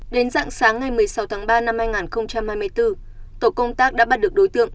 đến dạng sáng ngày một mươi sáu tháng ba năm hai nghìn hai mươi bốn tổ công tác đã bắt được đối tượng